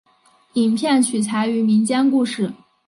影片取材于民间故事。